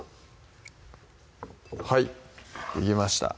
はいできました